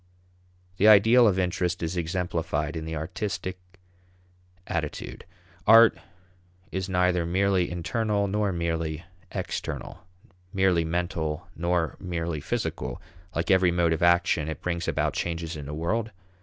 The ideal of interest is exemplified in the artistic attitude. Art is neither merely internal nor merely external; merely mental nor merely physical. Like every mode of action, it brings about changes in the world.